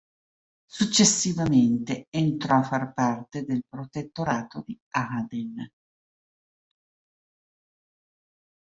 Successivamente entrò a far parte del Protettorato di Aden.